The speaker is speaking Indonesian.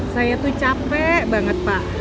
saya tuh capek banget pak